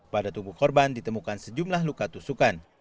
pada tubuh korban ditemukan sejumlah luka tusukan